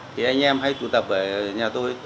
thì anh em hay tụ tập ở nhà tôi